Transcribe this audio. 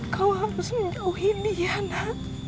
kau harus menjauhi liana